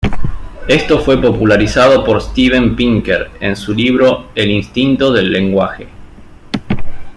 Esto fue popularizado por Steven Pinker en su libro "El instinto del lenguaje".